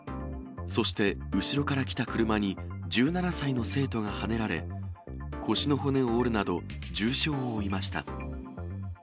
そして後ろから来た車に１７歳の生徒がはねられ、腰の骨を折るなど、重傷を負いました。